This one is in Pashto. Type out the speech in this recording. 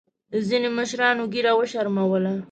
ځینو مشرانو ګیره وشرمولـه.